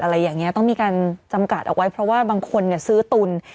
อะไรอย่างนี้ต้องมีการจำกัดเอาไว้เพราะว่าบางคนซื้อตุน